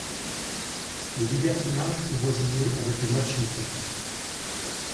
Le libertinage peut voisiner avec le machisme.